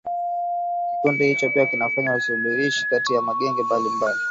Kikundi hicho pia kinafanya usuluishi kati ya magenge mbalimbali